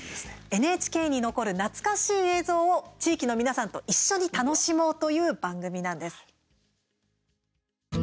ＮＨＫに残る懐かしい映像を地域の皆さんと一緒に楽しもうという番組なんです。